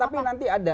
tapi nanti ada